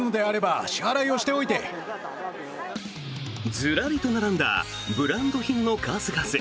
ずらりと並んだブランド品の数々。